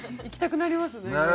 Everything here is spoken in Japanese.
行きたくなりますね。